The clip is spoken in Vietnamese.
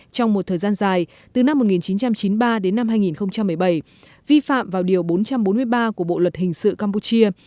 trong một thời gian dài từ năm một nghìn chín trăm chín mươi ba đến năm hai nghìn một mươi bảy vi phạm vào điều bốn trăm bốn mươi ba của bộ luật hình sự campuchia